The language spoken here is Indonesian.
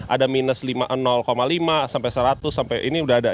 ada minus lima sampai seratus sampai ini udah ada